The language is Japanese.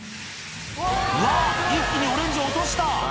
一気にオレンジを落とした。